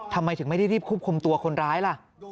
ทำไมถึงไม่ได้รีบควบคุมตัวคนร้ายล่ะ